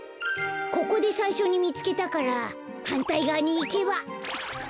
ここでさいしょにみつけたからはんたいがわにいけば。